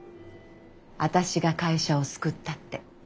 私が会社を救ったって。